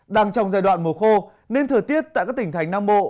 đang trong giai đoạn mùa khô nên thời tiết tại các tỉnh thành nam bộ